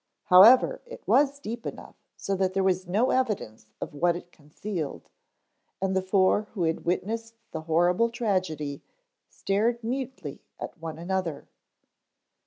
However it was deep enough so that there was no evidence of what it concealed, and the four who had witnessed the horrible tragedy stared mutely at one another.